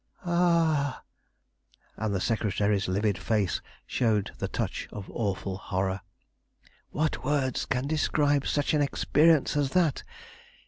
Ah!" and the secretary's livid face showed the touch of awful horror, "what words can describe such an experience as that?